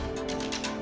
lo kenapa sih